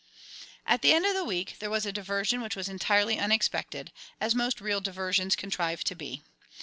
At the end of the week there was a diversion which was entirely unexpected as most real diversions contrive to be.